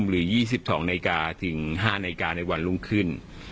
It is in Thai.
หรือ๒๒นาทีกาถึง๕นาทีกาในวันลงขึ้น